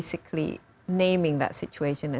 memenangkan situasi itu